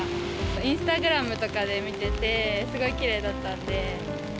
インスタグラムとかで見てて、すごいきれいだったんで。